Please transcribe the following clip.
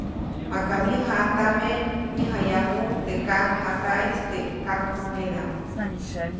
Maka myäjaʼajtame, näjayajuʼuŋ teʼ kaŋjataʼis teʼ kakʼuneʼdam.